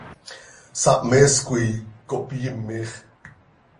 Sahmees coi cohpyimix.